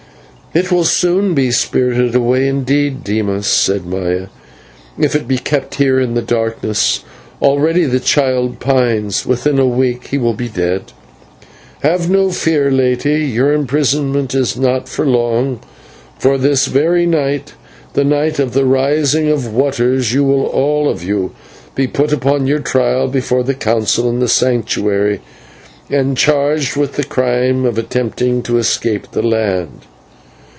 "It will soon be spirited away, indeed, Dimas," said Maya, "if it be kept here in the darkness. Already the child pines within a week he will be dead." "Have no fear, lady; your imprisonment is not for long, for this very night, the night of the Rising of Waters, you will all of you be put upon your trial before the Council in the Sanctuary, and charged with the crime of attempting to escape the land."